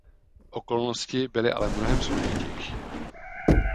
Okolnosti byly ale mnohem složitější.